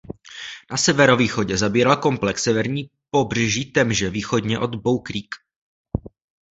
Na severovýchodě zabíral komplex severní pobřeží Temže východně od Bow Creek.